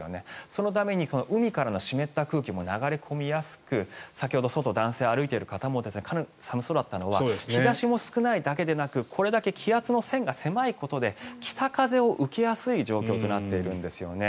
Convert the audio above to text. そのために海からの湿った空気も流れ込みやすく先ほどの外男性の歩いている方も寒そうだったのは日差しも少ないだけでなくこれだけ気圧の線が少ないだけで北風を受けやすい状況となっているんですね。